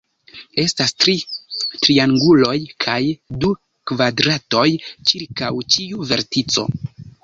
Estas tri trianguloj kaj du kvadratoj ĉirkaŭ ĉiu vertico.